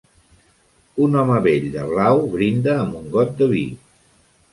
Un home vell de blau brinda amb un got de vi.